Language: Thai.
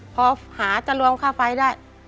พอหาจะรวมค่าไฟได้